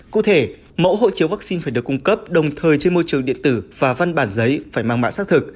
cụ thể mẫu hộ chiếu vaccine phải được cung cấp đồng thời trên môi trường điện tử và văn bản giấy phải mang mã xác thực